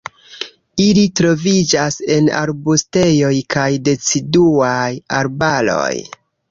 Ili troviĝas en arbustejoj kaj deciduaj arbaroj.